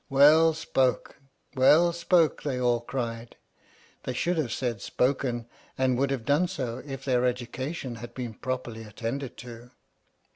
" Well spoke! Well spoke! " they all cried. (They should have said " spoken," and would have done so if their education had been properly attended to.)